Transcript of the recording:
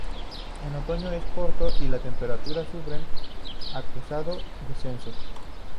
El otoño es corto y las temperaturas sufren un acusado descenso.